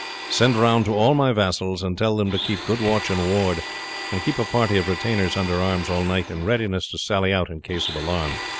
Send round to all my vassals, and tell them to keep good watch and ward, and keep a party of retainers under arms all night in readiness to sally out in case of alarm."